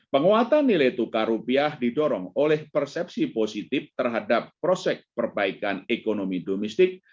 penguatan nilai tukar rupiah didorong oleh persepsi positif terhadap proses perbaikan ekonomi domestik